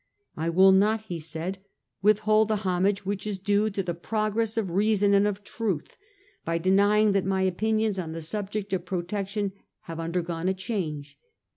* I will not,' he said, ' withhold the homage which is due to the progress of reason and of truth by deny ing that my opinions on the subject of Protection have undergone a change.